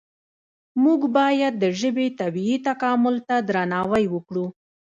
موږ باید د ژبې طبیعي تکامل ته درناوی وکړو.